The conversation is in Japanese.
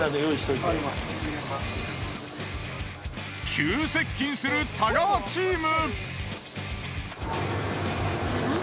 急接近する太川チーム。